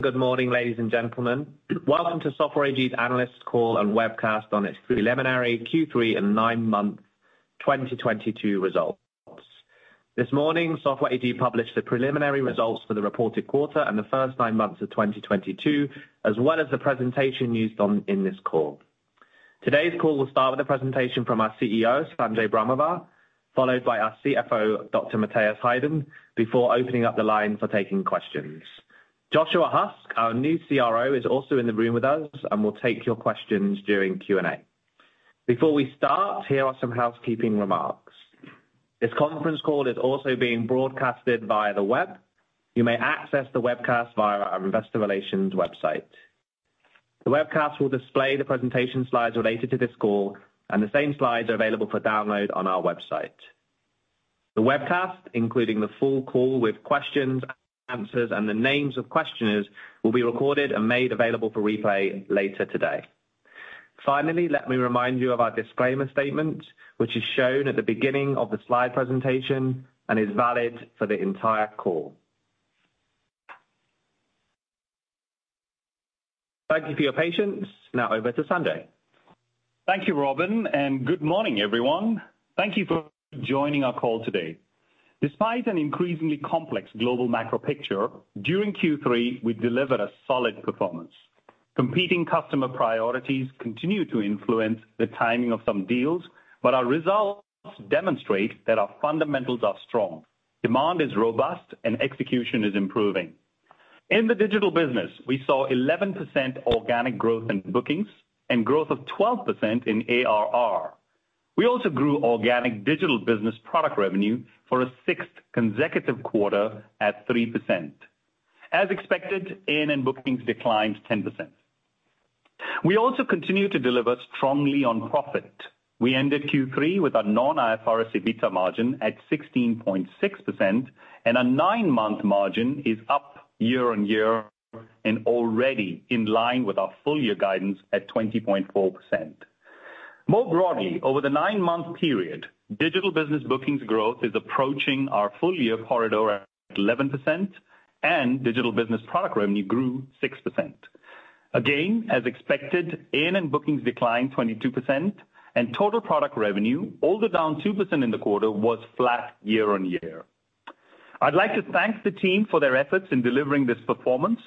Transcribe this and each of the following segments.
Good morning, ladies and gentlemen. Welcome to Software AG's analyst call and webcast on its preliminary Q3 and nine-month 2022 results. This morning, Software AG published the preliminary results for the reported quarter and the first nine months of 2022, as well as the presentation used in this call. Today's call will start with a presentation from our CEO, Sanjay Brahmawar, followed by our CFO, Dr. Matthias Heiden, before opening up the line for taking questions. Joshua Husk, our new CRO, is also in the room with us and will take your questions during Q&A. Before we start, here are some housekeeping remarks. This conference call is also being broadcasted via the web. You may access the webcast via our investor relations website. The webcast will display the presentation slides related to this call, and the same slides are available for download on our website. The webcast, including the full call with questions, answers, and the names of questioners, will be recorded and made available for replay later today. Finally, let me remind you of our disclaimer statement, which is shown at the beginning of the slide presentation and is valid for the entire call. Thank you for your patience. Now over to Sanjay. Thank you, Robin, and good morning, everyone. Thank you for joining our call today. Despite an increasingly complex global macro picture, during Q3 we delivered a solid performance. Competing customer priorities continue to influence the timing of some deals, but our results demonstrate that our fundamentals are strong. Demand is robust and execution is improving. In the digital business, we saw 11% organic growth in bookings and growth of 12% in ARR. We also grew organic digital business product revenue for a sixth consecutive quarter at 3%. As expected, A&N booking declined 10%. We also continue to deliver strongly on profit. We ended Q3 with a non-IFRS EBITDA margin at 16.6%, and a nine-month margin is up year-on-year and already in line with our full year guidance at 20.4%. More broadly, over the nine-month period, digital business bookings growth is approaching our full year corridor at 11% and digital business product revenue grew 6%. Again, as expected, A&N bookings declined 22% and total product revenue, although down 2% in the quarter, was flat year-on-year. I'd like to thank the team for their efforts in delivering this performance.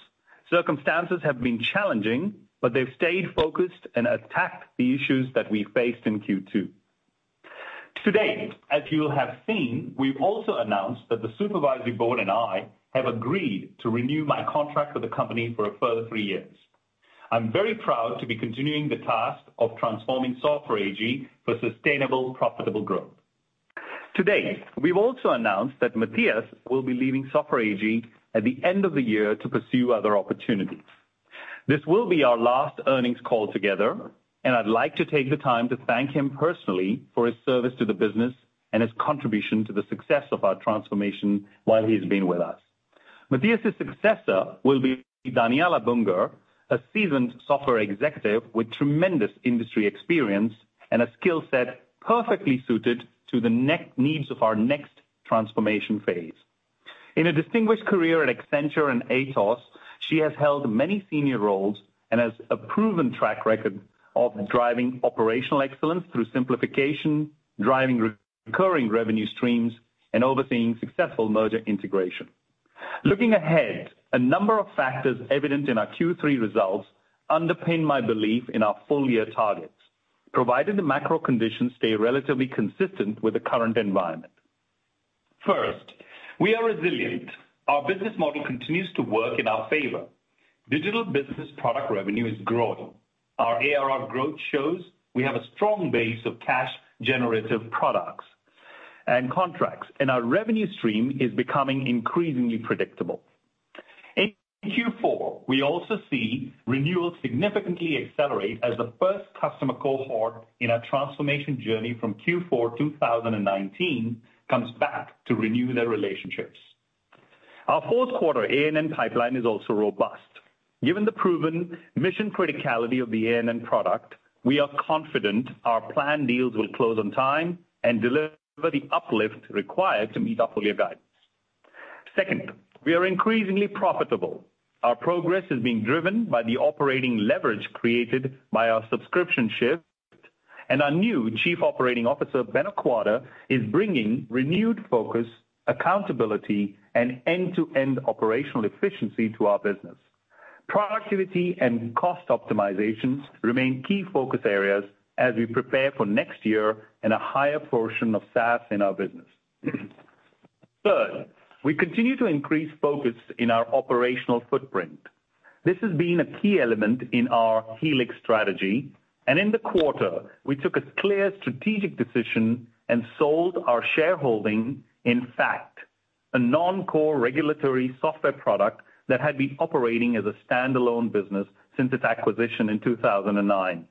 Circumstances have been challenging, but they've stayed focused and attacked the issues that we faced in Q2. Today, as you will have seen, we've also announced that the supervisory board and I have agreed to renew my contract with the company for a further three years. I'm very proud to be continuing the task of transforming Software AG for sustainable, profitable growth. Today, we've also announced that Matthias will be leaving Software AG at the end of the year to pursue other opportunities. This will be our last earnings call together, and I'd like to take the time to thank him personally for his service to the business and his contribution to the success of our transformation while he's been with us. Matthias, his successor will be Daniela Bünger, a seasoned Software Executive with tremendous industry experience and a skill set perfectly suited to the needs of our next transformation phase. In a distinguished career at Accenture and Atos, she has held many senior roles and has a proven track record of driving operational excellence through simplification, driving recurring revenue streams, and overseeing successful merger integration. Looking ahead, a number of factors evident in our Q3 results underpin my belief in our full year targets, provided the macro conditions stay relatively consistent with the current environment. First, we are resilient. Our business model continues to work in our favor. Digital business product revenue is growing. Our ARR growth shows we have a strong base of cash generative products and contracts, and our revenue stream is becoming increasingly predictable. In Q4, we also see renewals significantly accelerate as the first customer cohort in our transformation journey from Q4 2019 comes back to renew their relationships. Our fourth quarter A&N pipeline is also robust. Given the proven mission criticality of the A&N product, we are confident our planned deals will close on time and deliver the uplift required to meet our full year guidance. Second, we are increasingly profitable. Our progress is being driven by the operating leverage created by our subscription shift. Our new Chief Operating Officer, Benno Quade, is bringing renewed focus, accountability, and end-to-end operational efficiency to our business. Productivity and cost optimizations remain key focus areas as we prepare for next year and a higher portion of SaaS in our business. Third, we continue to increase focus in our operational footprint. This has been a key element in our Helix strategy. In the quarter, we took a clear strategic decision and sold our shareholding in FACT, a non-core regulatory software product that had been operating as a standalone business since its acquisition in 2009.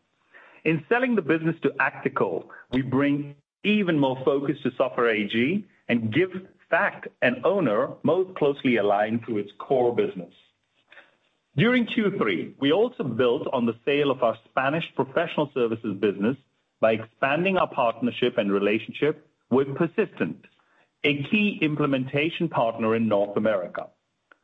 In selling the business to Accenture, we bring even more focus to Software AG and give back an owner most closely aligned to its core business. During Q3, we also built on the sale of our Spanish professional services business by expanding our partnership and relationship with Persistent, a key implementation partner in North America.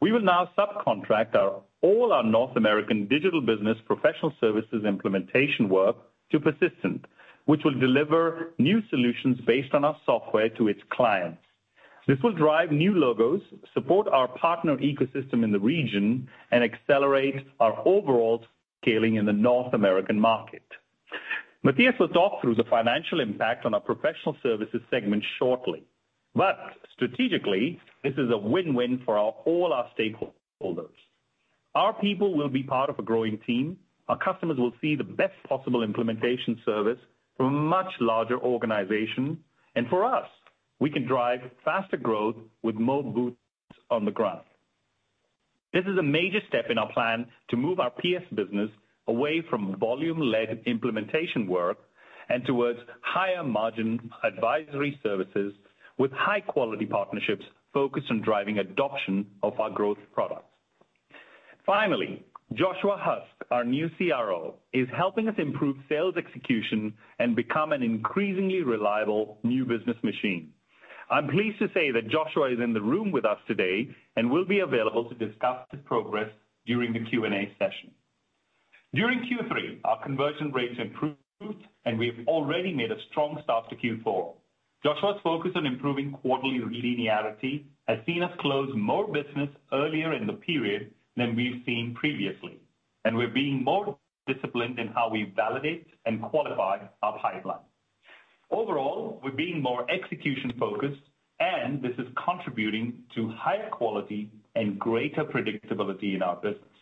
We will now subcontract all our North American digital business professional services implementation work to Persistent, which will deliver new solutions based on our software to its clients. This will drive new logos, support our partner ecosystem in the region, and accelerate our overall scaling in the North American market. Mathias will talk through the financial impact on our professional services segment shortly. Strategically, this is a win-win for all our stakeholders. Our people will be part of a growing team. Our customers will see the best possible implementation service from a much larger organization. For us, we can drive faster growth with more boots on the ground. This is a major step in our plan to move our PS business away from volume-led implementation work and towards higher margin advisory services with high-quality partnerships focused on driving adoption of our growth products. Finally, Joshua Husk, our new CRO, is helping us improve sales execution and become an increasingly reliable new business machine. I'm pleased to say that Joshua is in the room with us today and will be available to discuss his progress during the Q&A session. During Q3, our conversion rates improved, and we've already made a strong start to Q4. Joshua's focus on improving quarterly linearity has seen us close more business earlier in the period than we've seen previously, and we're being more disciplined in how we validate and qualify our pipeline. Overall, we're being more execution-focused, and this is contributing to higher quality and greater predictability in our business.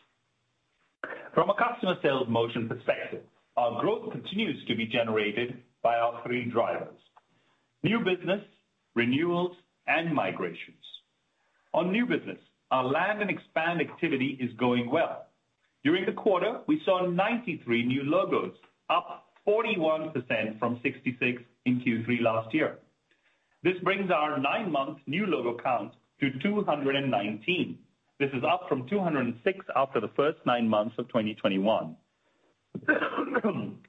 From a customer sales motion perspective, our growth continues to be generated by our three drivers, new business, renewals, and migrations. On new business, our land and expand activity is going well. During the quarter, we saw 93 new logos, up 41% from 66 logos in Q3 last year. This brings our nine-month new logo count to 219. This is up from 206 after the first nine months of 2021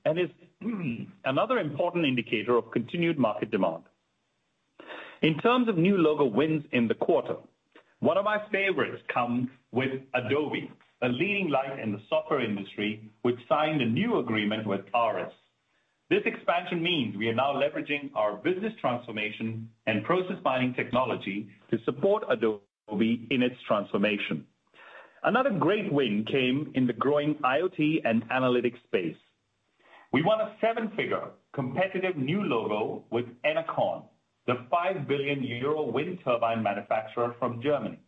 and is another important indicator of continued market demand. In terms of new logo wins in the quarter, one of my favorites comes with Adobe, a leading light in the software industry, which signed a new agreement with ARIS. This expansion means we are now leveraging our business transformation and process mining technology to support Adobe in its transformation. Another great win came in the growing IoT and analytics space. We won a seven-figure competitive new logo with Enercon, the 5 billion euro wind turbine manufacturer from Germany.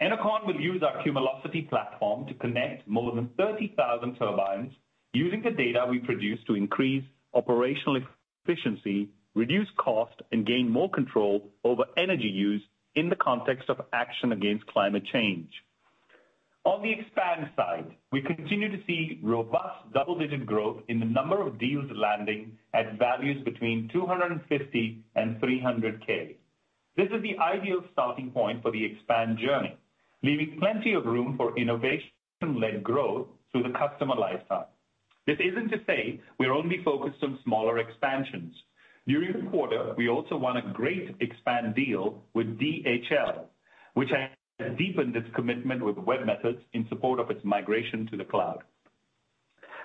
Enercon will use our Cumulocity platform to connect more than 30,000 turbines using the data we produce to increase operational efficiency, reduce cost, and gain more control over energy use in the context of action against climate change. On the expand side, we continue to see robust double-digit growth in the number of deals landing at values between 250,000 and 300,000. This is the ideal starting point for the expand journey, leaving plenty of room for innovation-led growth through the customer lifetime. This isn't to say we're only focused on smaller expansions. During the quarter, we also won a great expand deal with DHL, which has deepened its commitment with webMethods in support of its migration to the cloud.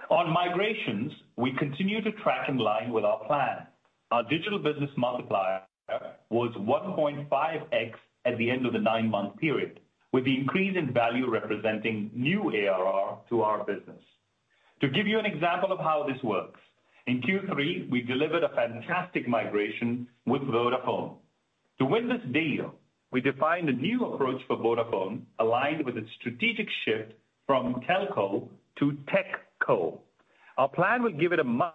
On migrations, we continue to track in line with our plan. Our digital business multiplier was 1.5x at the end of the nine-month period, with the increase in value representing new ARR to our business. To give you an example of how this works, in Q3 we delivered a fantastic migration with Vodafone. To win this deal, we defined a new approach for Vodafone aligned with its strategic shift from telco to techco. Our plan will give it a much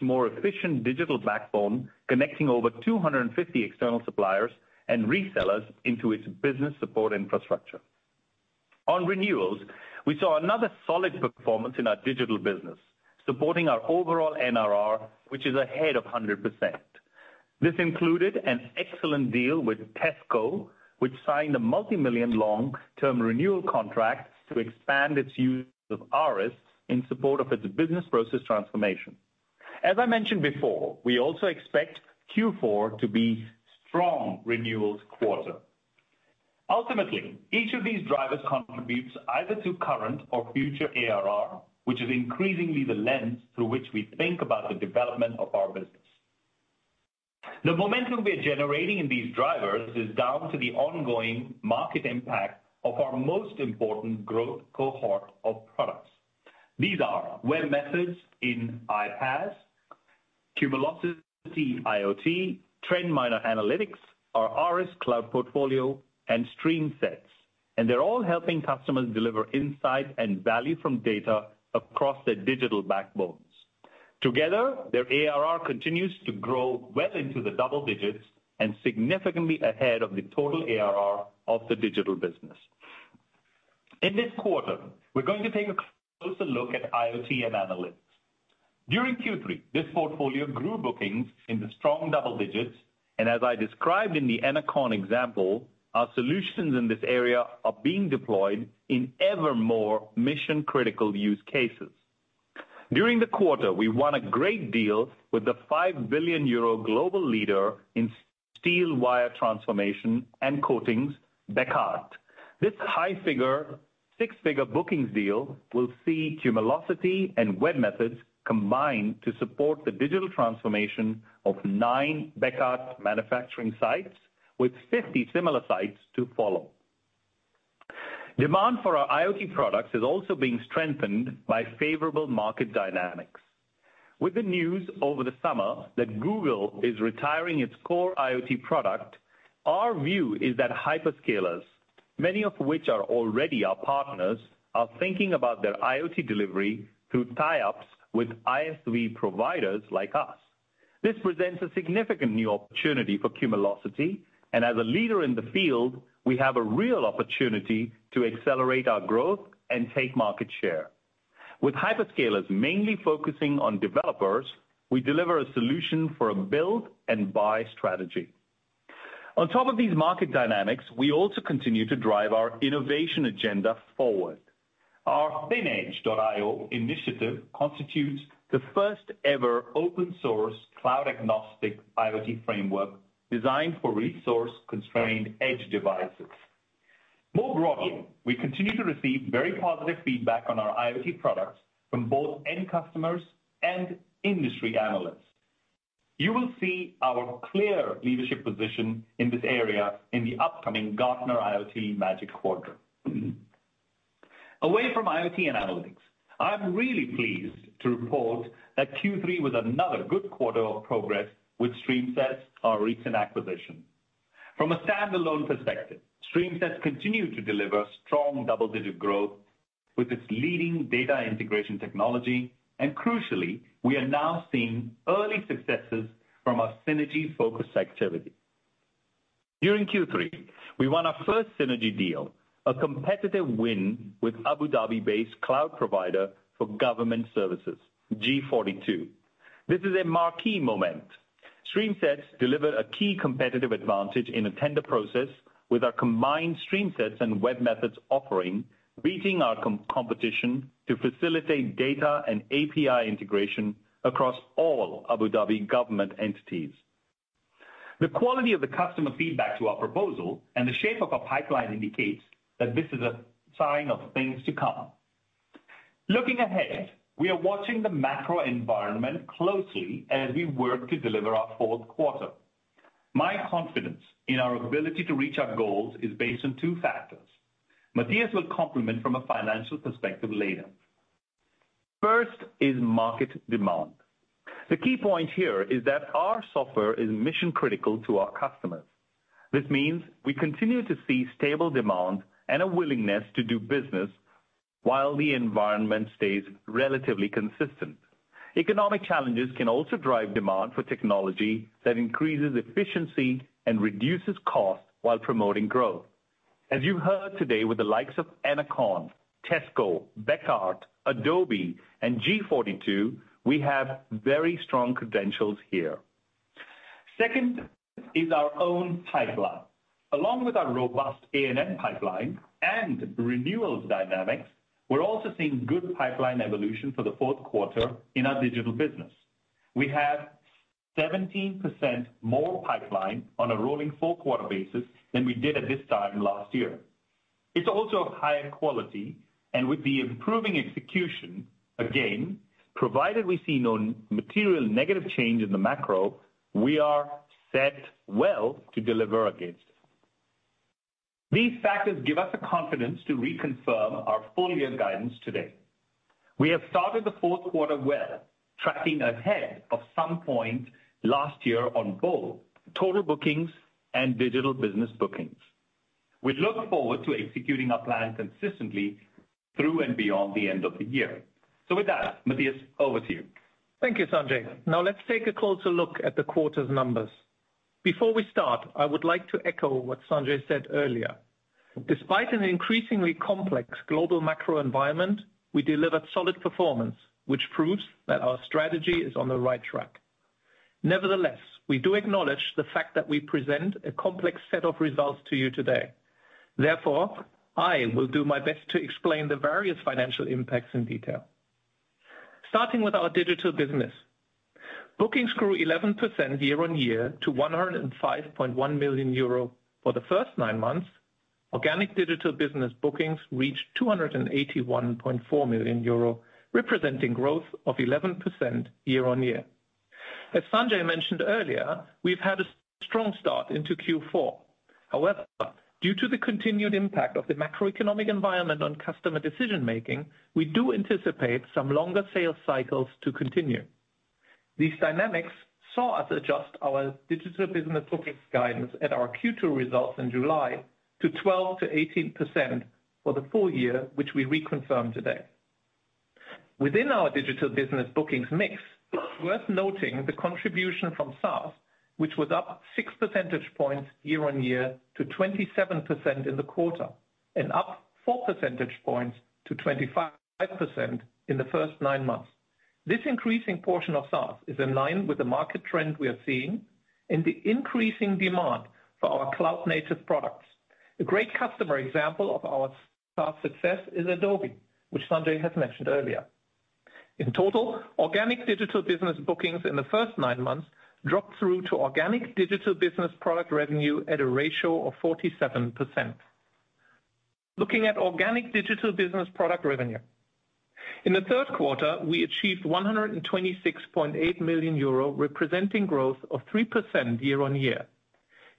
more efficient digital backbone, connecting over 250 external suppliers and resellers into its business support infrastructure. On renewals, we saw another solid performance in our digital business, supporting our overall NRR, which is ahead of 100%. This included an excellent deal with Tesco, which signed a multimillion long-term renewal contract to expand its use of ARIS in support of its business process transformation. As I mentioned before, we also expect Q4 to be strong renewals quarter. Ultimately, each of these drivers contributes either to current or future ARR, which is increasingly the lens through which we think about the development of our business. The momentum we're generating in these drivers is down to the ongoing market impact of our most important growth cohort of products. These are webMethods and iPaaS, Cumulocity IoT, TrendMiner analytics, our ARIS Cloud portfolio, and StreamSets, and they're all helping customers deliver insight and value from data across their digital backbones. Together, their ARR continues to grow well into the double digits and significantly ahead of the total ARR of the digital business. In this quarter, we're going to take a closer look at IoT and analytics. During Q3, this portfolio grew bookings in the strong double digits, and as I described in the Enercon example, our solutions in this area are being deployed in ever more mission-critical use cases. During the quarter, we won a great deal with the 5 billion euro global leader in steel wire transformation and coatings, Bekaert. This high six-figure bookings deal will see Cumulocity and webMethods combine to support the digital transformation of nine Bekaert manufacturing sites with 50 similar sites to follow. Demand for our IoT products is also being strengthened by favorable market dynamics. With the news over the summer that Google is retiring its core IoT product, our view is that hyperscalers, many of which are already our partners, are thinking about their IoT delivery through tie-ups with ISV providers like us. This presents a significant new opportunity for Cumulocity, and as a leader in the field, we have a real opportunity to accelerate our growth and take market share. With hyperscalers mainly focusing on developers, we deliver a solution for a build and buy strategy. On top of these market dynamics, we also continue to drive our innovation agenda forward. Our thin-edge.io initiative constitutes the first ever open-source cloud-agnostic IoT framework designed for resource-constrained edge devices. More broadly, we continue to receive very positive feedback on our IoT products from both end customers and industry analysts. You will see our clear leadership position in this area in the upcoming Gartner IoT Magic Quadrant. Away from IoT and analytics, I'm really pleased to report that Q3 was another good quarter of progress with StreamSets, our recent acquisition. From a standalone perspective, StreamSets continues to deliver strong double-digit growth with its leading data integration technology, and crucially, we are now seeing early successes from our synergy-focused activity. During Q3, we won our first synergy deal, a competitive win with Abu Dhabi-based cloud provider for government services, G42. This is a marquee moment. StreamSets delivered a key competitive advantage in a tender process with our combined StreamSets and webMethods offering, beating our competition to facilitate data and API integration across all Abu Dhabi government entities. The quality of the customer feedback to our proposal and the shape of our pipeline indicates that this is a sign of things to come. Looking ahead, we are watching the macro environment closely as we work to deliver our fourth quarter. My confidence in our ability to reach our goals is based on two factors. Matthias will complement from a financial perspective later. First is market demand. The key point here is that our software is mission-critical to our customers. This means we continue to see stable demand and a willingness to do business while the environment stays relatively consistent. Economic challenges can also drive demand for technology that increases efficiency and reduces cost while promoting growth. As you heard today with the likes of Enercon, Tesco, Bekaert, Adobe, and G42, we have very strong credentials here. Second is our own pipeline. Along with our robust A&N pipeline and renewals dynamics, we're also seeing good pipeline evolution for the fourth quarter in our digital business. We have 17% more pipeline on a rolling four-quarter basis than we did at this time last year. It's also of higher quality and with the improving execution, again, provided we see no material negative change in the macro, we are set well to deliver against it. These factors give us the confidence to reconfirm our full-year guidance today. We have started the fourth quarter well, tracking ahead of same point last year on both total bookings and digital business bookings. We look forward to executing our plan consistently through and beyond the end of the year. With that, Matthias, over to you. Thank you, Sanjay. Now let's take a closer look at the quarter's numbers. Before we start, I would like to echo what Sanjay said earlier. Despite an increasingly complex global macro environment, we delivered solid performance, which proves that our strategy is on the right track. Nevertheless, we do acknowledge the fact that we present a complex set of results to you today. Therefore, I will do my best to explain the various financial impacts in detail. Starting with our digital business. Bookings grew 11% year-on-year to 105.1 million euro for the first nine months. Organic digital business bookings reached 281.4 million euro, representing growth of 11% year-on-year. As Sanjay mentioned earlier, we've had a strong start into Q4. However, due to the continued impact of the macroeconomic environment on customer decision-making, we do anticipate some longer sales cycles to continue. These dynamics saw us adjust our digital business bookings guidance at our Q2 results in July to 12%-18% for the full year, which we reconfirm today. Within our digital business bookings mix, worth noting the contribution from SaaS, which was up 6 percentage points year-over-year to 27% in the quarter and up 4 percentage points to 25% in the first nine months. This increasing portion of SaaS is in line with the market trend we are seeing and the increasing demand for our cloud-native products. A great customer example of our past success is Adobe, which Sanjay has mentioned earlier. In total, organic digital business bookings in the first nine months dropped through to organic digital business product revenue at a ratio of 47%. Looking at organic digital business product revenue. In the third quarter, we achieved 126.8 million euro, representing growth of 3% year-over-year.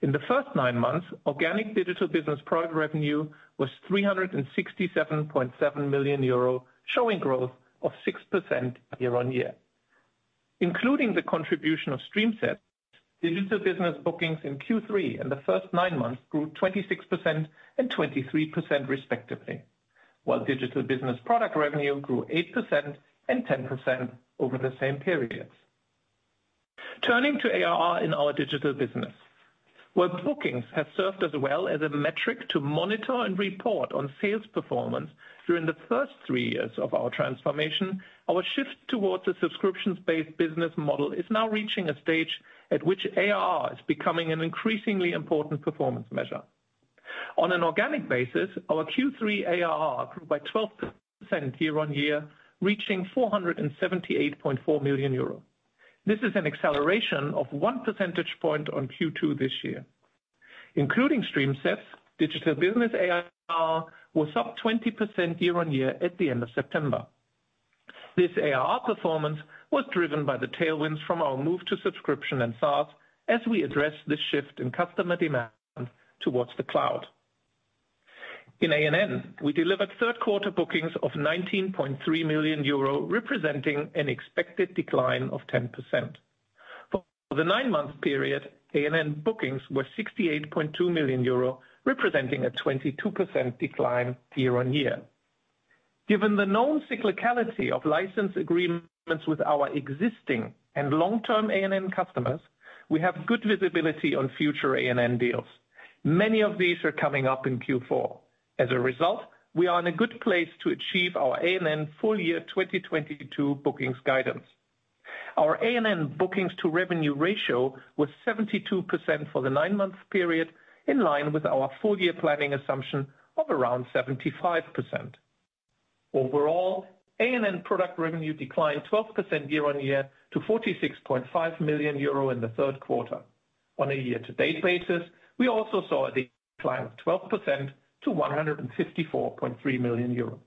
In the first nine months, organic digital business product revenue was 367.7 million euro, showing growth of 6% year-over-year. Including the contribution of StreamSets, digital business bookings in Q3 and the first nine months grew 26% and 23% respectively. While digital business product revenue grew 8% and 10% over the same periods. Turning to ARR in our digital business. While bookings have served us well as a metric to monitor and report on sales performance during the first three years of our transformation, our shift towards a subscriptions-based business model is now reaching a stage at which ARR is becoming an increasingly important performance measure. On an organic basis, our Q3 ARR grew by 12% year-on-year, reaching 478.4 million euro. This is an acceleration of one percentage point on Q2 this year. Including StreamSets, digital business ARR was up 20% year-on-year at the end of September. This ARR performance was driven by the tailwinds from our move to subscription and SaaS as we address this shift in customer demand towards the cloud. In A&N, we delivered third quarter bookings of 19.3 million euro, representing an expected decline of 10%. For the nine-month period, A&N bookings were 68.2 million euro, representing a 22% decline year-over-year. Given the known cyclicality of license agreements with our existing and long-term A&N customers, we have good visibility on future A&N deals. Many of these are coming up in Q4. As a result, we are in a good place to achieve our A&N full year 2022 bookings guidance. Our A&N bookings to revenue ratio was 72% for the nine-month period, in line with our full year planning assumption of around 75%. Overall, A&N product revenue declined 12% year-over-year to 46.5 million euro in the third quarter. On a year-to-date basis, we also saw a decline of 12% to 154.3 million euros.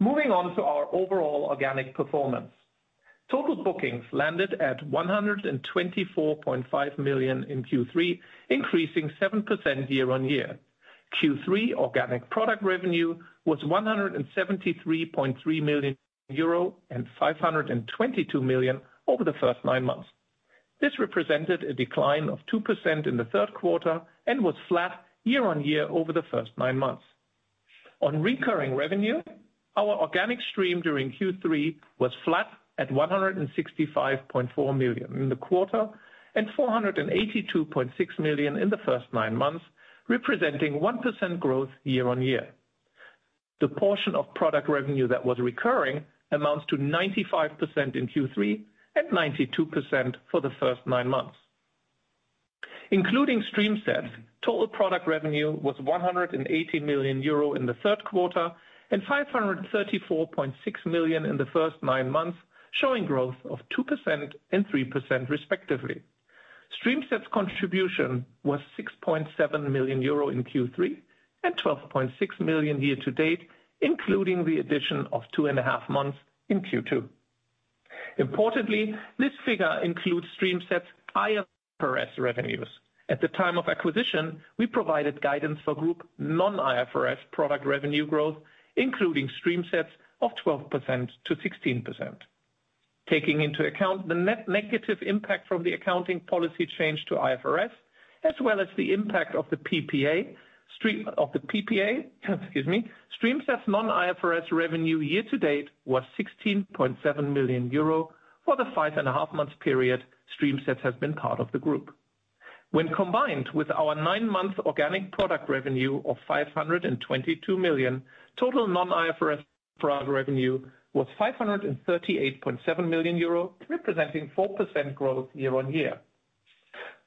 Moving on to our overall organic performance. Total bookings landed at 124.5 million in Q3, increasing 7% year-on-year. Q3 organic product revenue was 173.3 million euro and 522 million over the first nine months. This represented a decline of 2% in the third quarter and was flat year-on-year over the first nine months. On recurring revenue, our organic stream during Q3 was flat at 165.4 million in the quarter and 482.6 million in the first nine months, representing 1% growth year-on-year. The portion of product revenue that was recurring amounts to 95% in Q3 and 92% for the first nine months. Including StreamSets, total product revenue was 180 million euro in the third quarter and 534.6 million in the first nine months, showing growth of 2% and 3% respectively. StreamSets' contribution was 6.7 million euro in Q3 and 12.6 million year-to-date, including the addition of 2.5 months in Q2. Importantly, this figure includes StreamSets' IFRS revenues. At the time of acquisition, we provided guidance for group non-IFRS product revenue growth, including StreamSets' of 12%-16%. Taking into account the net negative impact from the accounting policy change to IFRS, as well as the impact of the PPA, excuse me. StreamSets's non-IFRS revenue year-to-date was 16.7 million euro for the 5.5 months period StreamSets has been part of the group. When combined with our nine-month organic product revenue of 522 million, total non-IFRS product revenue was 538.7 million euro, representing 4% growth year-on-year.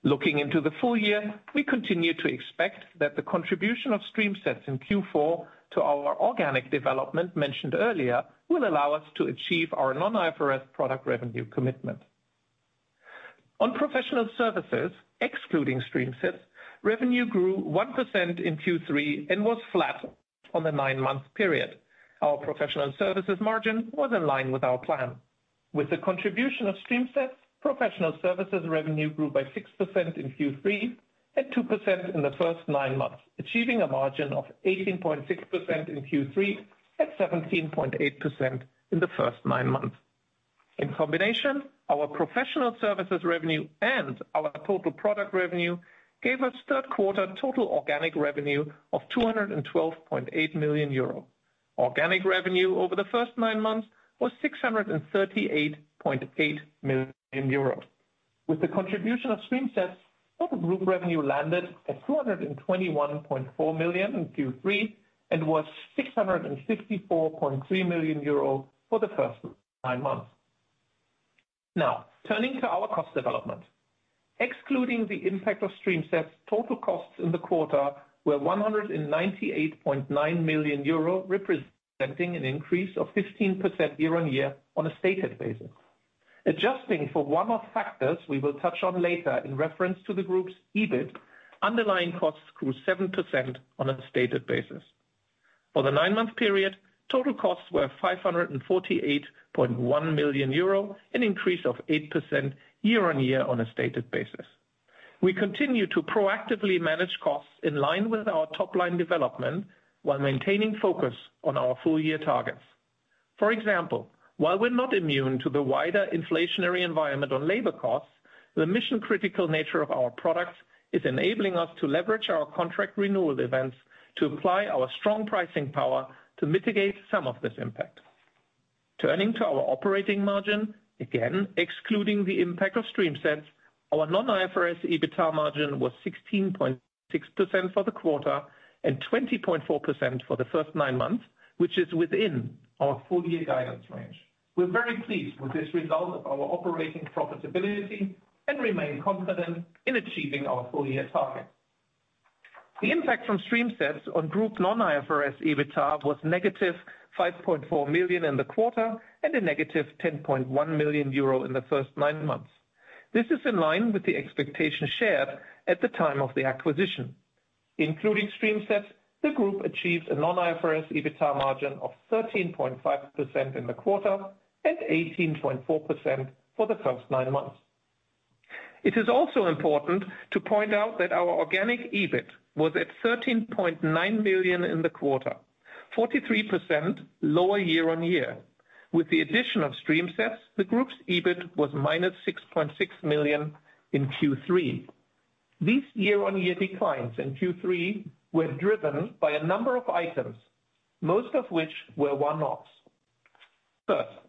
Looking into the full year, we continue to expect that the contribution of StreamSets in Q4 to our organic development mentioned earlier will allow us to achieve our non-IFRS product revenue commitment. On professional services, excluding StreamSets, revenue grew 1% in Q3 and was flat on the nine-month period. Our professional services margin was in line with our plan. With the contribution of StreamSets, professional services revenue grew by 6% in Q3 and 2% in the first nine months, achieving a margin of 18.6% in Q3 and 17.8% in the first nine months. In combination, our professional services revenue and our total product revenue gave us third quarter total organic revenue of 212.8 million euro. Organic revenue over the first nine months was 638.8 million euro. With the contribution of StreamSets, total group revenue landed at 221.4 million in Q3 and was 664.3 million euro for the first nine months. Now, turning to our cost development. Excluding the impact of StreamSets, total costs in the quarter were 198.9 million euro, representing an increase of 15% year-on-year on a stated basis. Adjusting for one-off factors we will touch on later in reference to the group's EBIT, underlying costs grew 7% on a stated basis. For the nine-month period, total costs were 548.1 million euro, an increase of 8% year-on-year on a stated basis. We continue to proactively manage costs in line with our top-line development while maintaining focus on our full year targets. For example, while we're not immune to the wider inflationary environment on labor costs, the mission-critical nature of our products is enabling us to leverage our contract renewal events to apply our strong pricing power to mitigate some of this impact. Turning to our operating margin, again, excluding the impact of StreamSets, our non-IFRS EBITDA margin was 16.6% for the quarter and 20.4% for the first nine months, which is within our full year guidance range. We're very pleased with this result of our operating profitability and remain confident in achieving our full year targets. The impact from StreamSets on group non-IFRS EBITDA was -5.4 million in the quarter and a -10.1 million euro in the first nine months. This is in line with the expectation shared at the time of the acquisition. Including StreamSets, the group achieved a non-IFRS EBITDA margin of 13.5% in the quarter and 18.4% for the first nine months. It is also important to point out that our organic EBIT was at 13.9 million in the quarter, 43% lower year-on-year. With the addition of StreamSets, the group's EBIT was -6.6 million in Q3. These year-over-year declines in Q3 were driven by a number of items, most of which were one-offs. First,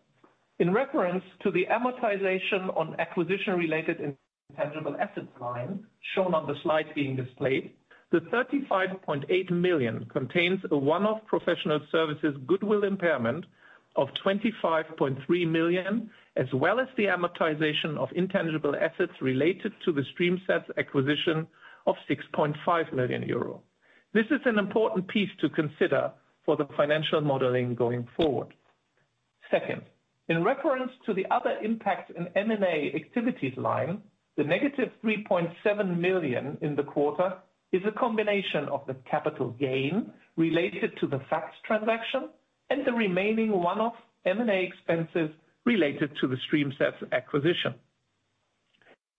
in reference to the amortization on acquisition-related intangible assets line shown on the slide being displayed, the 35.8 million contains a one-off professional services goodwill impairment of 25.3 million, as well as the amortization of intangible assets related to the StreamSets acquisition of 6.5 million euro. This is an important piece to consider for the financial modeling going forward. Second, in reference to the other impacts in M&A activities line, the -3.7 million in the quarter is a combination of the capital gain related to the FACT transaction and the remaining one-off M&A expenses related to the StreamSets acquisition.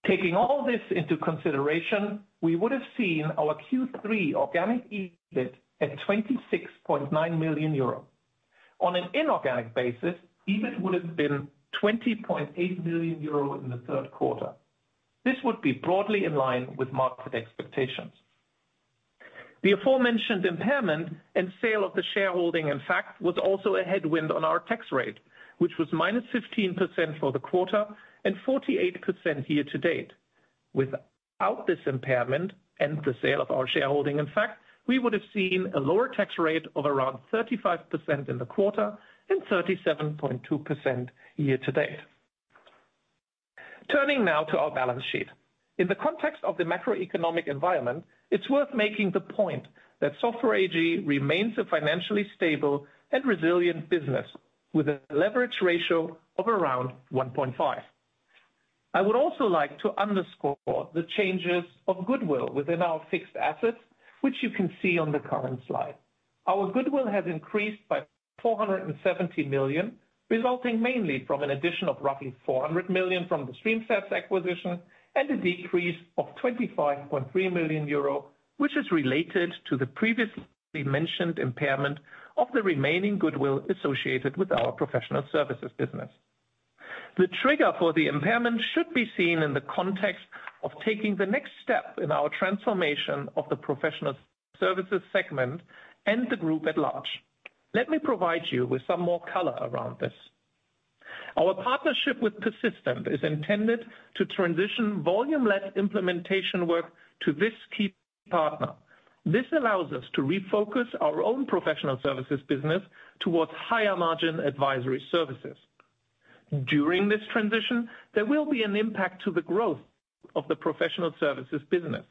Taking all this into consideration, we would have seen our Q3 organic EBIT at 26.9 million euros. On an inorganic basis, EBIT would have been 20.8 million euros in the third quarter. This would be broadly in line with market expectations. The aforementioned impairment and sale of the shareholding, in fact, was also a headwind on our tax rate, which was -15% for the quarter and 48% year-to-date. Without this impairment and the sale of our shareholding, in fact, we would have seen a lower tax rate of around 35% in the quarter and 37.2% year-to-date. Turning now to our balance sheet. In the context of the macroeconomic environment, it's worth making the point that Software AG remains a financially stable and resilient business with a leverage ratio of around 1.5x. I would also like to underscore the changes of goodwill within our fixed assets, which you can see on the current slide. Our goodwill has increased by 470 million, resulting mainly from an addition of roughly 400 million from the StreamSets acquisition and a decrease of 25.3 million euro, which is related to the previously mentioned impairment of the remaining goodwill associated with our professional services business. The trigger for the impairment should be seen in the context of taking the next step in our transformation of the professional services segment and the group at large. Let me provide you with some more color around this. Our partnership with Persistent is intended to transition volume-led implementation work to this key partner. This allows us to refocus our own professional services business towards higher margin advisory services. During this transition, there will be an impact to the growth of the professional services business.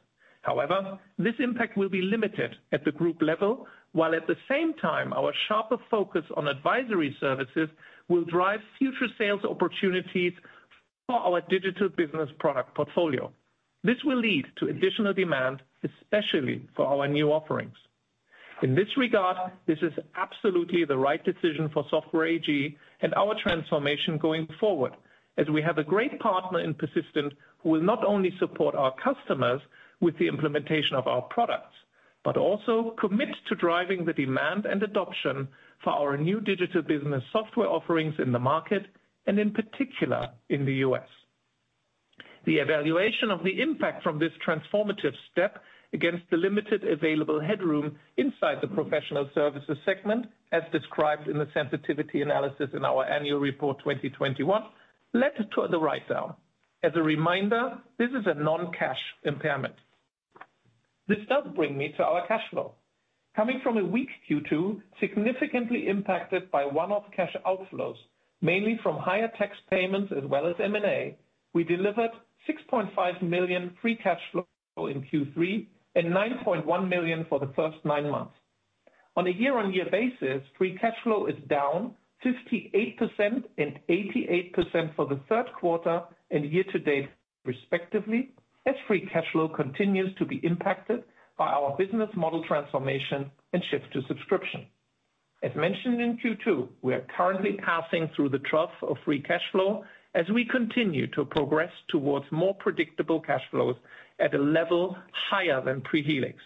However, this impact will be limited at the group level, while at the same time, our sharper focus on advisory services will drive future sales opportunities for our digital business product portfolio. This will lead to additional demand, especially for our new offerings. In this regard, this is absolutely the right decision for Software AG and our transformation going forward, as we have a great partner in Persistent who will not only support our customers with the implementation of our products, but also commit to driving the demand and adoption for our new digital business software offerings in the market, and in particular in the U.S. The evaluation of the impact from this transformative step against the limited available headroom inside the professional services segment, as described in the sensitivity analysis in our annual report 2021, led to the write down. As a reminder, this is a non-cash impairment. This does bring me to our cash flow. Coming from a weak Q2, significantly impacted by one-off cash outflows, mainly from higher tax payments as well as M&A. We delivered 6.5 million free cash flow in Q3 and 9.1 million for the first nine months. On a year-on-year basis, free cash flow is down 58% and 88% for the third quarter and year-to-date respectively, as free cash flow continues to be impacted by our business model transformation and shift to subscription. As mentioned in Q2, we are currently passing through the trough of free cash flow as we continue to progress towards more predictable cash flows at a level higher than pre-Helix.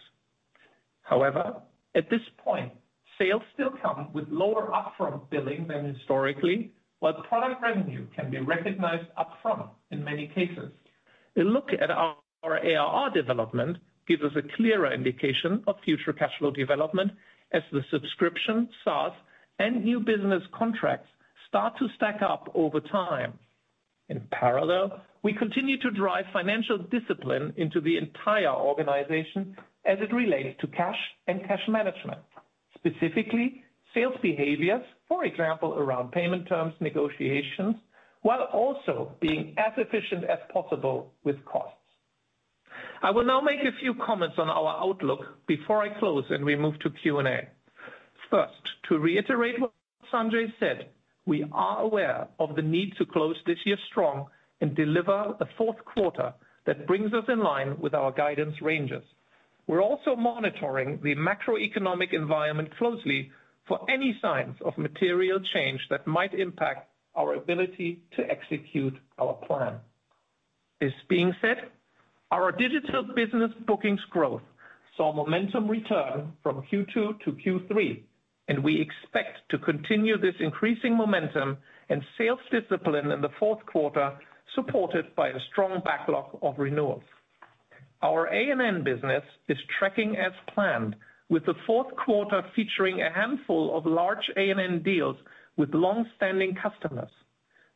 However, at this point, sales still come with lower upfront billing than historically, while product revenue can be recognized upfront in many cases. A look at our ARR development gives us a clearer indication of future cash flow development as the subscription, SaaS, and new business contracts start to stack up over time. In parallel, we continue to drive financial discipline into the entire organization as it relates to cash and cash management, specifically sales behaviors, for example, around payment terms negotiations, while also being as efficient as possible with costs. I will now make a few comments on our outlook before I close and we move to Q&A. First, to reiterate what Sanjay said, we are aware of the need to close this year strong and deliver a fourth quarter that brings us in line with our guidance ranges. We're also monitoring the macroeconomic environment closely for any signs of material change that might impact our ability to execute our plan. This being said, our digital business bookings growth saw momentum return from Q2 to Q3, and we expect to continue this increasing momentum and sales discipline in the fourth quarter, supported by a strong backlog of renewals. Our A&N business is tracking as planned, with the fourth quarter featuring a handful of large A&N deals with long-standing customers.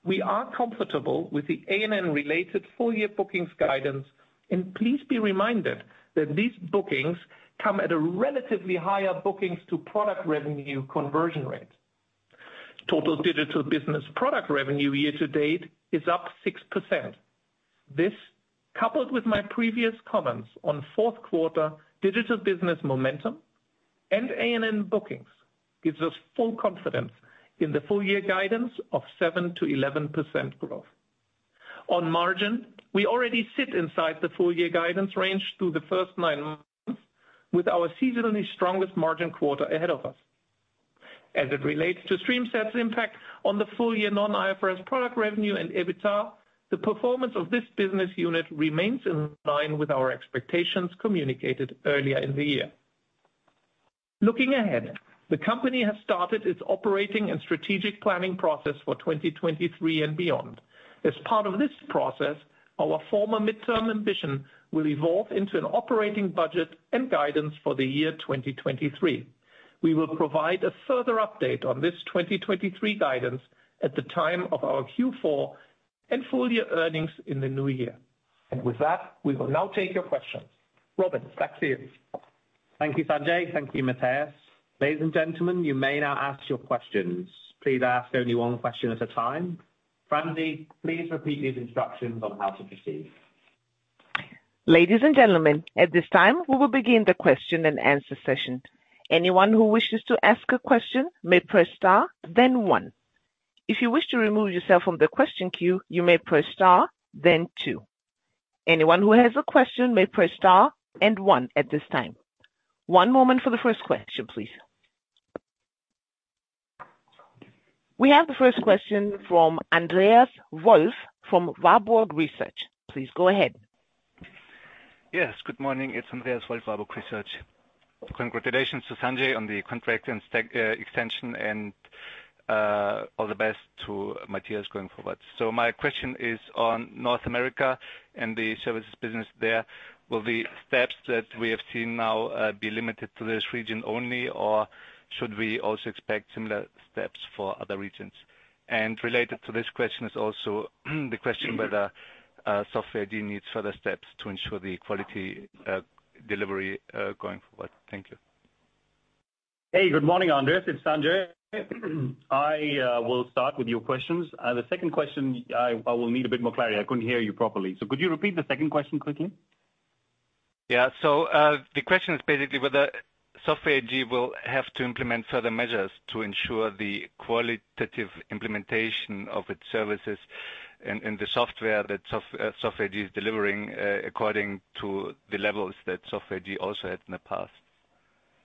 We are comfortable with the A&N related full-year bookings guidance, and please be reminded that these bookings come at a relatively higher bookings to product revenue conversion rate. Total digital business product revenue year-to-date is up 6%. This, coupled with my previous comments on fourth quarter digital business momentum and A&N bookings, gives us full confidence in the full year guidance of 7%-11% growth. On margin, we already sit inside the full year guidance range through the first nine months, with our seasonally strongest margin quarter ahead of us. As it relates to StreamSets' impact on the full year non-IFRS product revenue and EBITDA, the performance of this business unit remains in line with our expectations communicated earlier in the year. Looking ahead, the company has started its operating and strategic planning process for 2023 and beyond. As part of this process, our former midterm ambition will evolve into an operating budget and guidance for the year 2023. We will provide a further update on this 2023 guidance at the time of our Q4 and full year earnings in the new year. With that, we will now take your questions. Robin, back to you. Thank you, Sanjay. Thank you, Matthias. Ladies and gentlemen, you may now ask your questions. Please ask only one question at a time. Francine, please repeat these instructions on how to proceed. Ladies and gentlemen, at this time, we will begin the question and answer session. Anyone who wishes to ask a question may press star, then one. If you wish to remove yourself from the question queue, you may press star, then two. Anyone who has a question may press star and one at this time. One moment for the first question, please. We have the first question from Andreas Wolf from Warburg Research. Please go ahead. Yes, good morning. It's Andreas Wolf, Warburg Research. Congratulations to Sanjay on the contract and extension and all the best to Matthias going forward. My question is on North America and the services business there. Will the steps that we have seen now be limited to this region only? Or should we also expect similar steps for other regions? Related to this question is also the question whether Software AG needs further steps to ensure the quality delivery going forward. Thank you. Hey, good morning, Andreas. It's Sanjay. I will start with your questions. The second question, I will need a bit more clarity. I couldn't hear you properly. Could you repeat the second question quickly? The question is basically whether Software AG will have to implement further measures to ensure the qualitative implementation of its services and the software that Software AG is delivering according to the levels that Software AG also had in the past.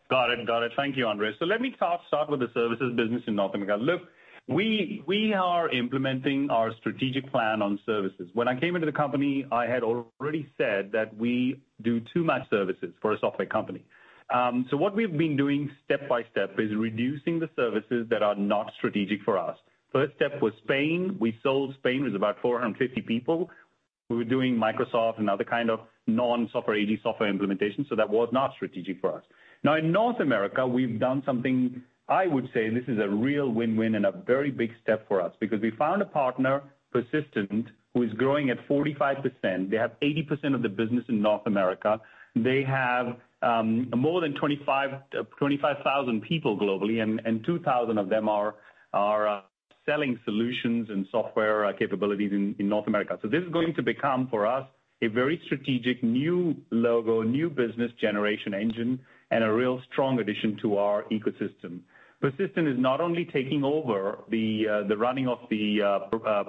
Got it. Thank you, Andreas. Let me start with the services business in North America. Look, we are implementing our strategic plan on services. When I came into the company, I had already said that we do too much services for a software company. What we've been doing step by step is reducing the services that are not strategic for us. First step was Spain. We sold Spain. It was about 450 people. We were doing Microsoft and other kind of non-Software AG software implementation, so that was not strategic for us. Now, in North America, we've done something I would say this is a real win-win and a very big step for us because we found a partner, Persistent, who is growing at 45%. They have 80% of the business in North America. They have more than 25,000 people globally, and 2,000 of them are selling solutions and software capabilities in North America. This is going to become for us a very strategic new logo, new business generation engine and a real strong addition to our ecosystem. Persistent is not only taking over the running of the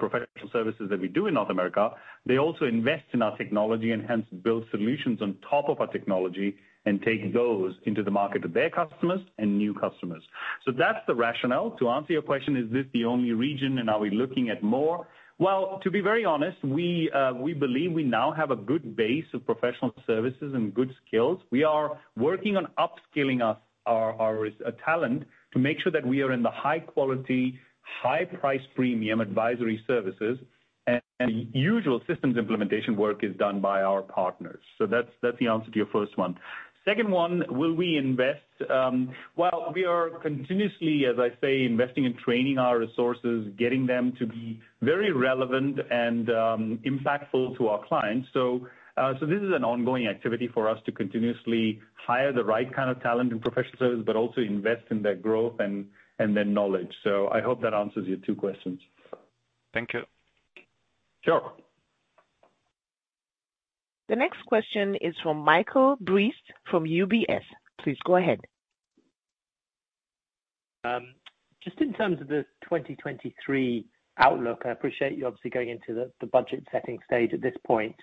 professional services that we do in North America, they also invest in our technology and hence build solutions on top of our technology and take those into the market of their customers and new customers. That's the rationale. To answer your question, is this the only region and are we looking at more? Well, to be very honest, we believe we now have a good base of professional services and good skills. We are working on upskilling our talent to make sure that we are in the high quality, high price premium advisory services. Usual systems implementation work is done by our partners. That's the answer to your first one. Second one, will we invest? Well, we are continuously, as I say, investing in training our resources, getting them to be very relevant and impactful to our clients. This is an ongoing activity for us to continuously hire the right kind of talent in professional services, but also invest in their growth and their knowledge. I hope that answers your two questions. Thank you. Sure. The next question is from Michael Briest from UBS. Please go ahead. Just in terms of the 2023 outlook, I appreciate you obviously going into the budget setting stage at this point,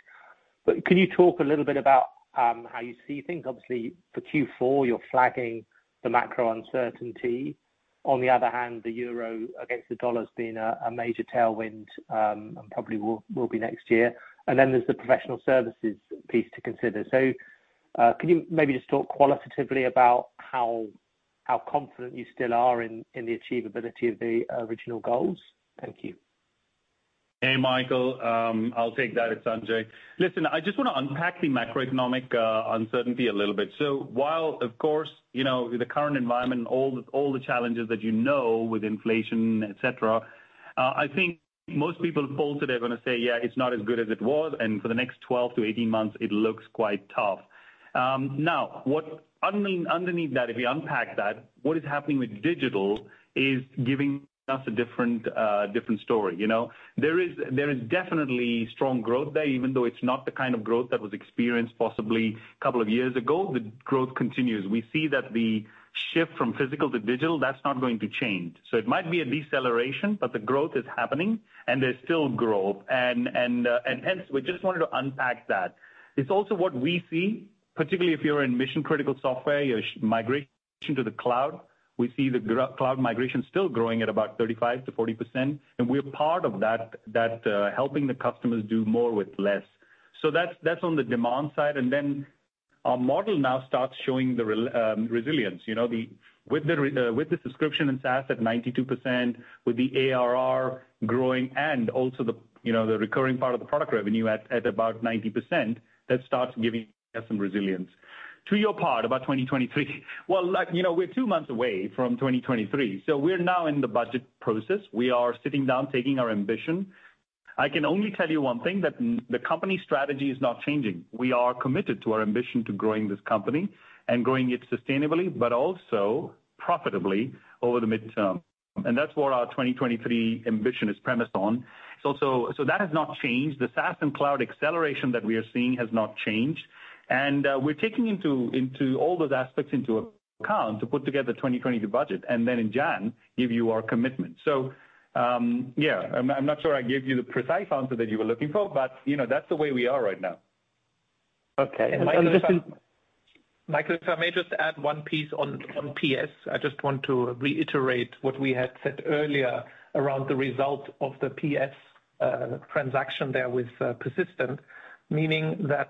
but can you talk a little bit about how you see things? Obviously, for Q4, you're flagging the macro uncertainty. On the other hand, the euro against the dollar has been a major tailwind, and probably will be next year. Then there's the professional services piece to consider. Can you maybe just talk qualitatively about how confident you still are in the achievability of the original goals? Thank you. Hey, Michael. I'll take that. It's Sanjay. Listen, I just wanna unpack the macroeconomic uncertainty a little bit. While of course, you know, the current environment and all the challenges that you know with inflation, et cetera, I think most people polled today are gonna say, "Yeah, it's not as good as it was, and for the next 12-18 months, it looks quite tough." Now, what underneath that, if you unpack that, what is happening with digital is giving us a different story. You know? There is definitely strong growth there, even though it's not the kind of growth that was experienced possibly a couple of years ago. The growth continues. We see that the shift from physical to digital, that's not going to change. It might be a deceleration, but the growth is happening and there's still growth. Hence, we just wanted to unpack that. It's also what we see, particularly if you're in mission-critical software, your migration to the cloud. We see the cloud migration still growing at about 35%-40%, and we're part of that helping the customers do more with less. That's on the demand side. Then our model now starts showing the resilience. You know, with the subscription and SaaS at 92%, with the ARR growing and also the recurring part of the product revenue at about 90%, that starts giving us some resilience. To your point about 2023. Like, you know, we're two months away from 2023, so we're now in the budget process. We are sitting down, taking our ambition. I can only tell you one thing, that the company strategy is not changing. We are committed to our ambition to growing this company and growing it sustainably, but also profitably over the midterm. That's what our 2023 ambition is premised on. That has not changed. The SaaS and cloud acceleration that we are seeing has not changed. We're taking into all those aspects into account to put together the 2022 budget and then in January give you our commitment. Yeah, I'm not sure I gave you the precise answer that you were looking for, but, you know, that's the way we are right now. Okay. Michael, if I may just add one piece on PS. I just want to reiterate what we had said earlier around the result of the PS transaction there with Persistent. Meaning that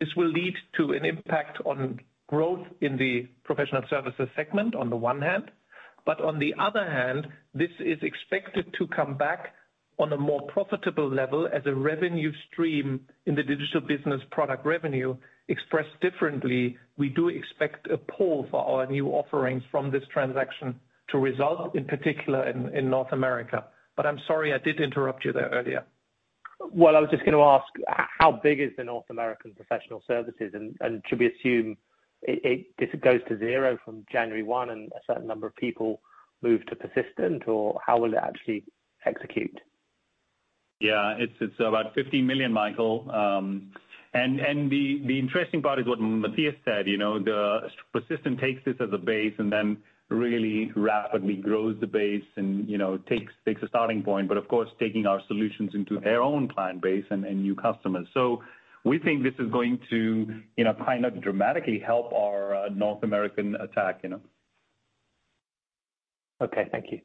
this will lead to an impact on growth in the professional services segment on the one hand. On the other hand, this is expected to come back on a more profitable level as a revenue stream in the digital business product revenue expressed differently. We do expect a pull for our new offerings from this transaction to result, in particular in North America. I'm sorry, I did interrupt you there earlier. Well, I was just gonna ask how big is the North American professional services? Should we assume this goes to zero from January one and a certain number of people move to Persistent, or how will it actually execute? Yeah. It's about 50 million, Michael. The interesting part is what Matthias said, you know. Persistent takes this as a base and then really rapidly grows the base and, you know, takes a starting point, but of course taking our solutions into their own client base and new customers. We think this is going to, you know, kind of dramatically help our North American attack, you know. Okay. Thank you.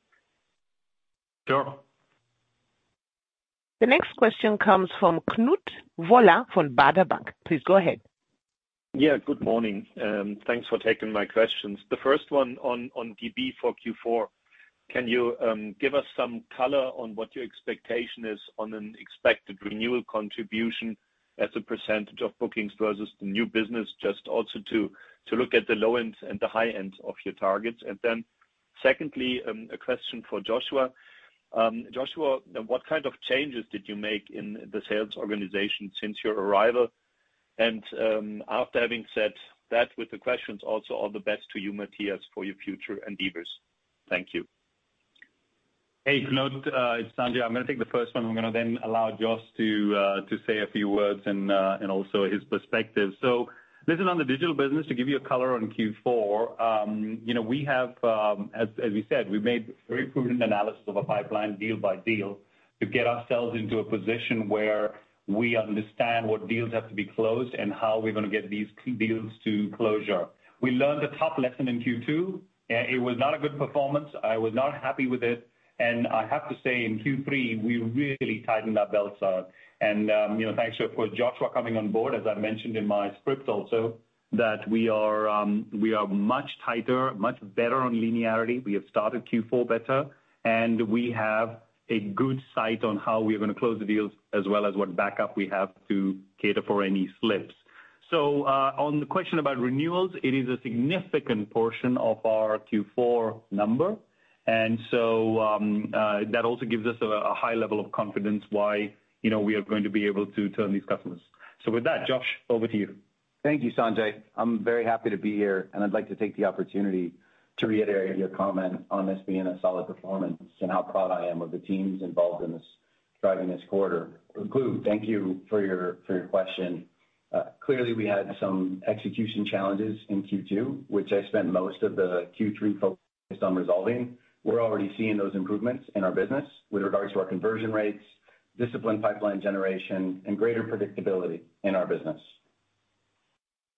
Sure. The next question comes from Knut Woller from Baader Bank. Please go ahead. Yeah, good morning. Thanks for taking my questions. The first one on ARR for Q4, can you give us some color on what your expectation is on an expected renewal contribution as a percentage of bookings versus the new business? Just also to look at the low end and the high end of your targets. Then secondly, a question for Joshua. Joshua, what kind of changes did you make in the sales organization since your arrival and, after having said that with the questions also all the best to you, Matthias, for your future endeavors. Thank you. Hey, Knut. It's Sanjay. I'm gonna take the first one. I'm gonna then allow Josh to say a few words and also his perspective. This is on the digital business to give you a color on Q4. You know, we have, as we said, we made very prudent analysis of a pipeline deal by deal to get ourselves into a position where we understand what deals have to be closed and how we're gonna get these key deals to closure. We learned a tough lesson in Q2, and it was not a good performance. I was not happy with it, and I have to say in Q3 we really tightened our belts. You know, thanks to, of course, Joshua coming on board, as I mentioned in my script also, that we are much tighter, much better on linearity. We have started Q4 better, and we have a good sight on how we're gonna close the deals as well as what backup we have to cater for any slips. On the question about renewals, it is a significant portion of our Q4 number. That also gives us a high level of confidence why, you know, we are going to be able to turn these customers. With that, Josh, over to you. Thank you, Sanjay. I'm very happy to be here, and I'd like to take the opportunity to reiterate your comment on this being a solid performance and how proud I am of the teams involved in this, driving this quarter. Knut, thank you for your question. Clearly we had some execution challenges in Q2, which I spent most of Q3 focusing on resolving. We're already seeing those improvements in our business with regards to our conversion rates, disciplined pipeline generation, and greater predictability in our business.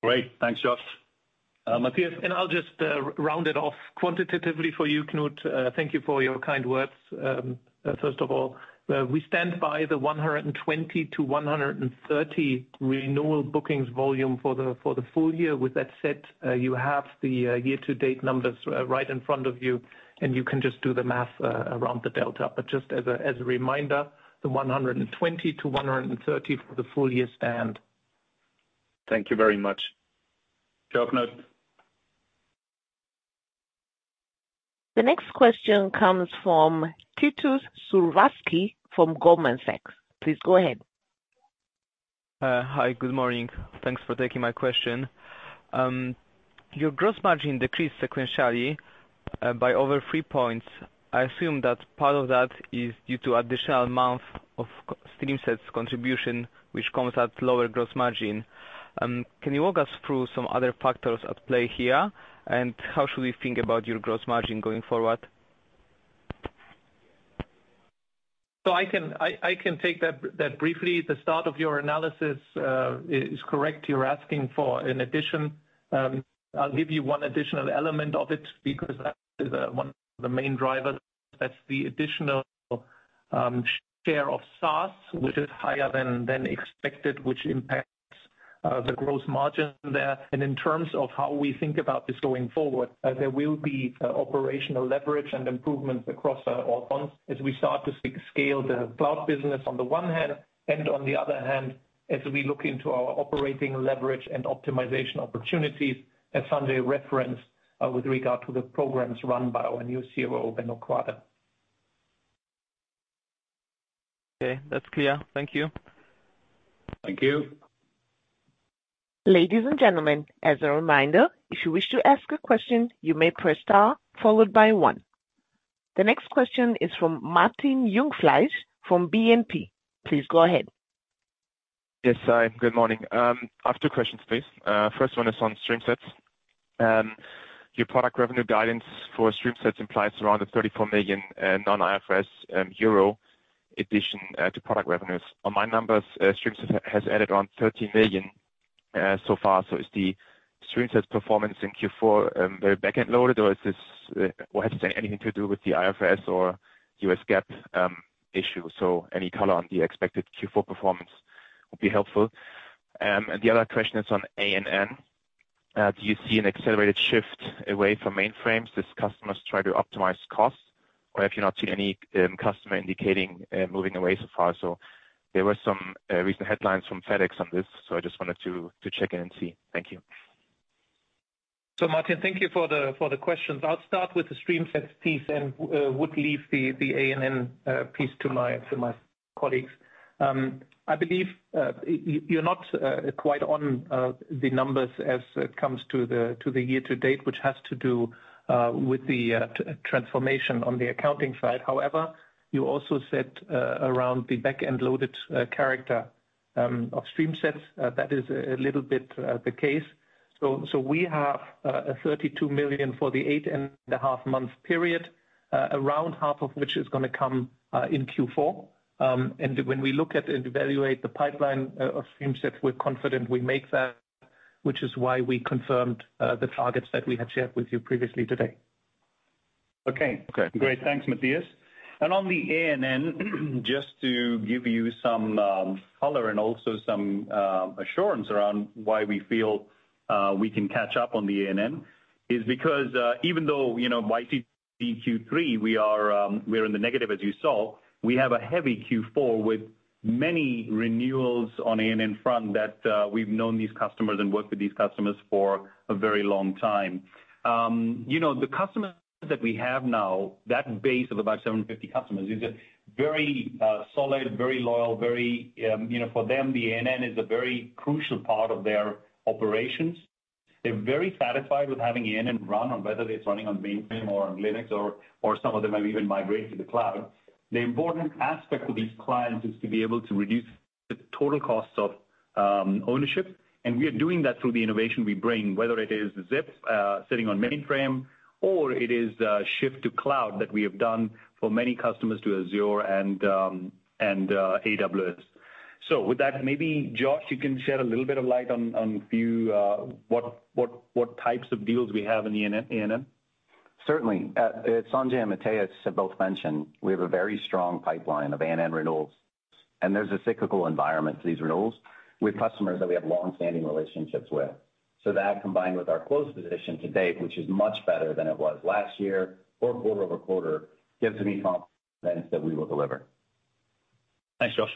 Great. Thanks, Josh. Matthias. I'll just round it off quantitatively for you, Knut. Thank you for your kind words. First of all, we stand by the 120-130 renewal bookings volume for the full year. With that said, you have the year-to-date numbers right in front of you, and you can just do the math around the delta. Just as a reminder, the 120-130 for the full year stand. Thank you very much. Ciao, Knut. The next question comes from Tytus Zurawski from Goldman Sachs. Please go ahead. Hi, good morning. Thanks for taking my question. Your gross margin decreased sequentially by over three points. I assume that part of that is due to additional amount of StreamSets contribution, which comes at lower gross margin. Can you walk us through some other factors at play here? How should we think about your gross margin going forward? I can take that briefly. The start of your analysis is correct. You're asking for an addition. I'll give you one additional element of it because that is one of the main drivers. That's the additional share of SaaS, which is higher than expected, which impacts the gross margin there. In terms of how we think about this going forward, there will be operational leverage and improvements across all fronts as we start to scale the cloud business on the one hand, and on the other hand, as we look into our operating leverage and optimization opportunities as Sanjay referenced with regard to the programs run by our new CRO, Benno Quade. Okay, that's clear. Thank you. Thank you. Ladies and gentlemen, as a reminder, if you wish to ask a question, you may press star followed by one. The next question is from Martin Jungfleisch from BNP. Please go ahead. Yes. Hi, good morning. I have two questions, please. First one is on StreamSets. Your product revenue guidance for StreamSets implies around the 34 million non-IFRS euro addition to product revenues. On my numbers, StreamSets has added around 13 million so far. Is the StreamSets performance in Q4 very back-end loaded or is this, well, I have to say anything to do with the IFRS or US GAAP issue? Any color on the expected Q4 performance would be helpful. The other question is on A&N. Do you see an accelerated shift away from mainframes as customers try to optimize costs, or have you not seen any customer indicating moving away so far? There were some recent headlines from FedEx on this, so I just wanted to check in and see. Thank you. Martin, thank you for the questions. I'll start with the StreamSets piece and would leave the A&N piece to my colleagues. I believe you're not quite on the numbers as it comes to the year-to-date, which has to do with the transformation on the accounting side. However, you also said around the back-end loaded character of StreamSets. That is a little bit the case. We have 32 million for the eight and a half month period, around half of which is gonna come in Q4. When we look at and evaluate the pipeline of StreamSets, we're confident we make that, which is why we confirmed the targets that we had shared with you previously today. Okay. Okay. Great. Thanks, Matthias. On the A&N, just to give you some color and also some assurance around why we feel we can catch up on the A&N is because even though, you know, in Q3 we are in the negative as you saw, we have a heavy Q4 with many renewals on A&N front that we've known these customers and worked with these customers for a very long time. You know, the customers that we have now, that base of about 750 customers is a very solid, very loyal, very, you know, for them, the A&N is a very crucial part of their operations. They're very satisfied with having A&N run on whether it's running on mainframe or on Linux or some of them have even migrated to the cloud. The important aspect of these clients is to be able to reduce the total cost of ownership, and we are doing that through the innovation we bring, whether it is zIIP sitting on mainframe, or it is shift to cloud that we have done for many customers to Azure and AWS. With that, maybe Josh, you can shed a little bit of light on a few what types of deals we have in the A&N. Certainly. Sanjay and Matthias have both mentioned we have a very strong pipeline of A&N renewals, and there's a cyclical environment to these renewals with customers that we have long-standing relationships with. That combined with our cash position to date, which is much better than it was last year or quarter-over-quarter, gives me confidence that we will deliver. Thanks, Josh.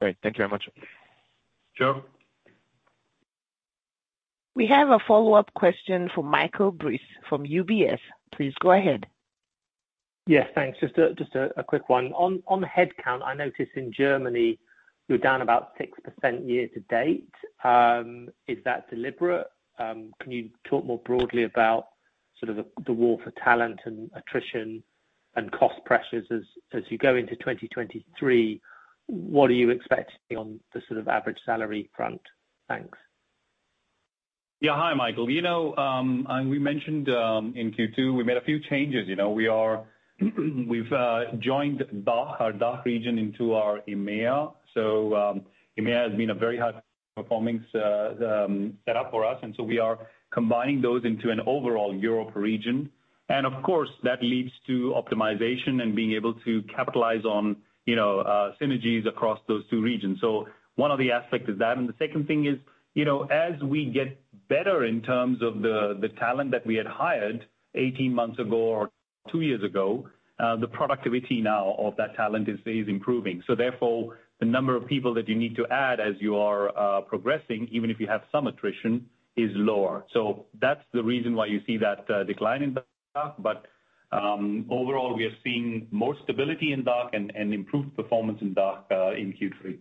Great. Thank you very much. Sure. We have a follow-up question from Michael Briest from UBS. Please go ahead. Yes, thanks. Just a quick one. On headcount, I noticed in Germany you're down about 6% year-to-date. Is that deliberate? Can you talk more broadly about sort of the war for talent and attrition and cost pressures as you go into 2023? What are you expecting on the sort of average salary front? Thanks. Yeah. Hi, Michael. We mentioned in Q2, we made a few changes. We've joined DACH, our DACH region into our EMEA. EMEA has been a very hard performing setup for us, and we are combining those into an overall Europe region. Of course, that leads to optimization and being able to capitalize on synergies across those two regions. One of the aspects is that. The second thing is, as we get better in terms of the talent that we had hired 18 months ago or two years ago, the productivity now of that talent is improving. Therefore, the number of people that you need to add as you are progressing, even if you have some attrition, is lower. That's the reason why you see that decline in DACH. Overall, we are seeing more stability in DACH and improved performance in DACH in Q3.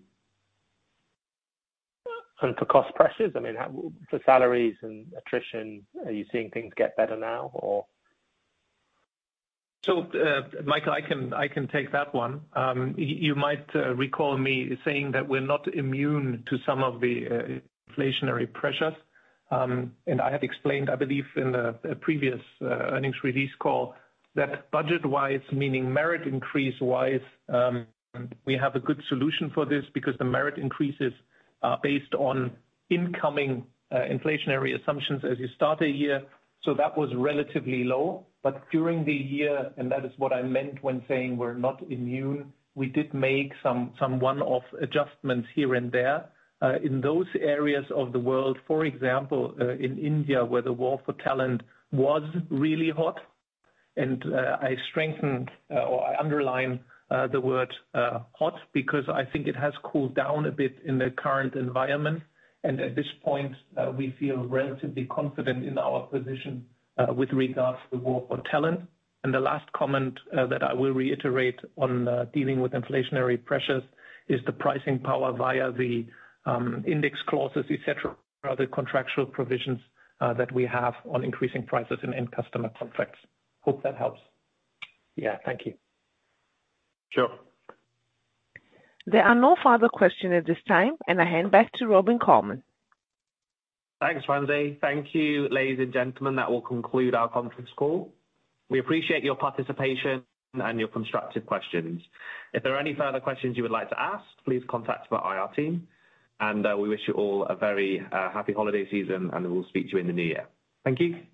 For cost pressures, I mean, for salaries and attrition, are you seeing things get better now or? Michael, I can take that one. You might recall me saying that we're not immune to some of the inflationary pressures. I have explained, I believe in a previous earnings release call, that budget-wise, meaning merit increase-wise, we have a good solution for this because the merit increases are based on incoming inflationary assumptions as you start a year, so that was relatively low. During the year, and that is what I meant when saying we're not immune, we did make some one-off adjustments here and there in those areas of the world, for example, in India, where the war for talent was really hot. I strengthened or I underline the word hot, because I think it has cooled down a bit in the current environment. At this point, we feel relatively confident in our position with regards to the war for talent. The last comment that I will reiterate on dealing with inflationary pressures is the pricing power via the index clauses, et cetera, other contractual provisions that we have on increasing prices in end customer contracts. Hope that helps. Yeah. Thank you. Sure. There are no further questions at this time, and I hand back to Robin Colman. Thanks, Wendy. Thank you, ladies and gentlemen. That will conclude our conference call. We appreciate your participation and your constructive questions. If there are any further questions you would like to ask, please contact our IR team. We wish you all a very happy holiday season, and we will speak to you in the new year. Thank you.